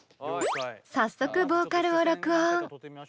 早速ボーカルを録音。